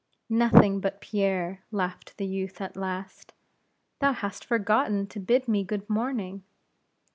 "Nothing but Pierre," laughed the youth, at last; "thou hast forgotten to bid me good morning."